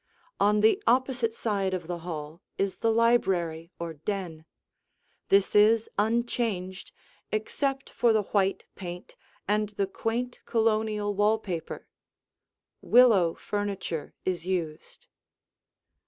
On the opposite side of the hall is the library or den. This is unchanged, except for the white paint and the quaint Colonial wall paper. Willow furniture is used.